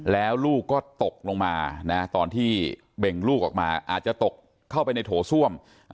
แล้วลูกก็ตกลงมานะตอนที่เบ่งลูกออกมาอาจจะตกเข้าไปในโถส้วม